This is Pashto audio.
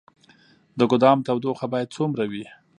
د ګدام تودوخه باید څومره وي؟